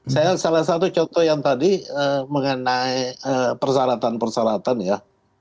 saya salah satu contoh yang tadi mengenai persyaratan persyaratan ya